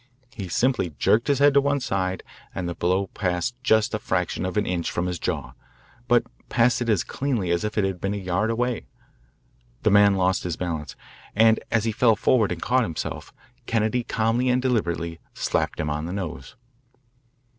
He simply jerked his head to one side, and the blow passed just a fraction of an inch from his jaw, but passed it as cleanly as if it had been a yard away. The man lost his balance, and as he fell forward and caught himself, Kennedy calmly and deliberately slapped him on the nose.